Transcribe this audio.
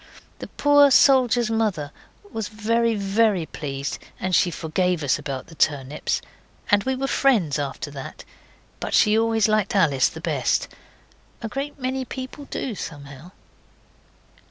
The poor soldier's mother was very, very pleased, and she forgave us about the turnips, and we were friends after that, but she always liked Alice the best. A great many people do, somehow.